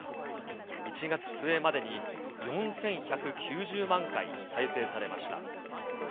１月末までに４１９０万回再生されました。